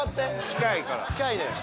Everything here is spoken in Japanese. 近いねん。